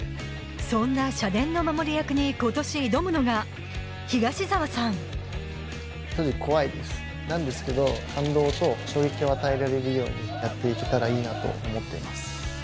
そんな社殿の守り役に今年挑むのがなんですけど感動と衝撃を与えられるようにやって行けたらいいなと思っています。